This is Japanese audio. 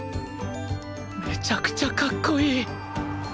めちゃくちゃかっこいい！